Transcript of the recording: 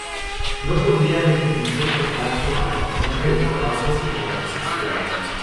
No podía referirse, por tanto, a la jornada de trabajo ni a las funciones.